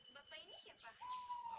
bapak ini siapa